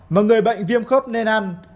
mà người bệnh viêm khớp nên ăn